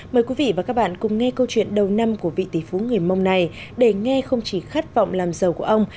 mời quý vị và các bạn cùng nghe câu chuyện đầu năm của vị tỷ phú người mông này để nghe không chỉ khát vọng làm giàu của ông